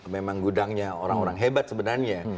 memang gudangnya orang orang hebat sebenarnya